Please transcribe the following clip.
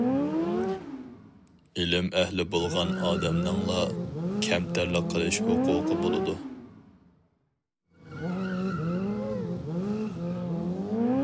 ئىلىم ئەھلى بولغان ئادەمنىڭلا، كەمتەرلىك قىلىش ھوقۇقى بولىدۇ.